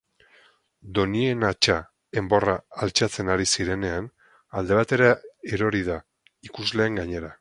Donien-atxa enborra altxatzen ari zirenean, alde batera erori da, ikusleen gainera.